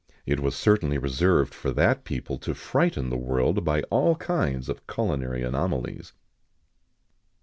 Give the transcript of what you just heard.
[XIX 108] It was certainly reserved for that people to frighten the world by all kinds of culinary anomalies.